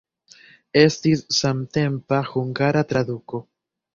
Estis samtempa hungara traduko.